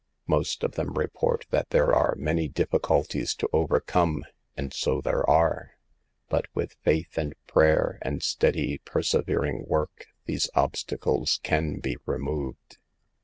Most of them report that there are many difficulties to over come, and so there are ; but with faith and prayer and steady, persevering work these obstacles can be removed.